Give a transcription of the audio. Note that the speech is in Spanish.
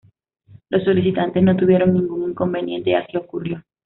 Los solicitantes no tuvieron ningún inconveniente y así ocurrió.